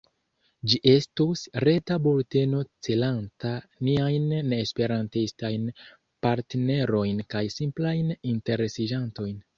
Ĝi estos reta bulteno celanta niajn neesperantistajn partnerojn kaj simplajn interesiĝantojn.